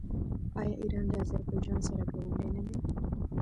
آیا ایران له اذربایجان سره ګاونډی نه دی؟